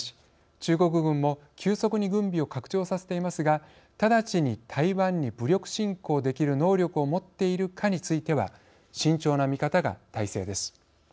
中国軍も急速に軍備を拡張させていますが直ちに台湾に武力侵攻できる能力を持っているかについては慎重な見方が大勢です。